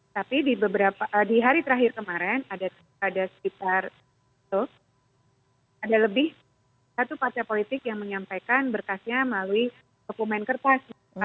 tapi di hari terakhir kemarin ada sekitar ada lebih satu partai politik yang menyampaikan berkasnya melalui dokumen kertas